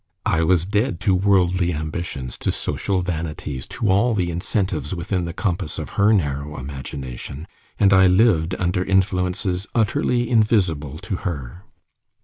I was dead to worldly ambitions, to social vanities, to all the incentives within the compass of her narrow imagination, and I lived under influences utterly invisible to her.